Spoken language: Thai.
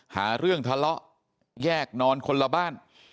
หาเรื่องทะเลาะแยกนอนคนละบ้าน